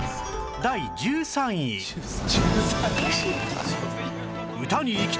第１３位は